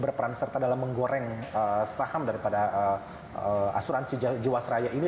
berperan serta dalam menggoreng saham daripada asuransi jawa seraya ini